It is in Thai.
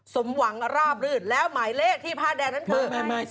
สมหวังราบรื่นแล้วหมายเลขที่ผ้าแดงนั้นคือ